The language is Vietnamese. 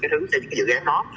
những dự án đó